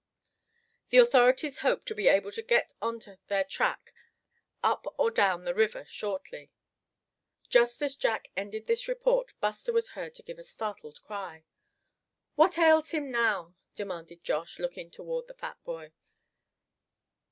The authorities hope to be able to get on to their track up or down the river shortly.'" Just as Jack ended this report Buster was heard to give a startled cry. "What ails him now?" demanded Josh, looking toward the fat boy.